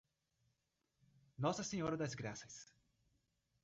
Nossa Senhora das Graças